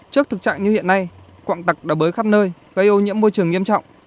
trước thực trạng như hiện nay quạng tặc đã bới khắp nơi gây ô nhiễm môi trường nghiêm trọng